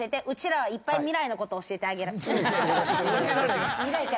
ウチら、いっぱい未来のことを教えてあげる。